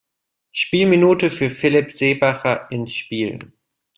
Spielminute für Philipp Seebacher ins Spiel.